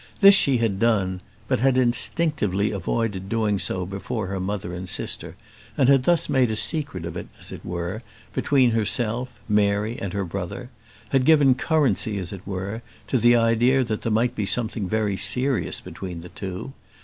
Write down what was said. This she had done; but had instinctively avoided doing so before her mother and sister, and had thus made a secret of it, as it were, between herself, Mary, and her brother; had given currency, as it were, to the idea that there might be something serious between the two.